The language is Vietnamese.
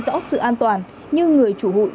rõ sự an toàn nhưng người chủ hội